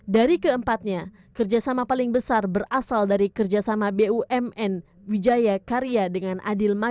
dari keempatnya kerjasama paling besar berasal dari kerjasama bumn wijaya karya dengan adil makmur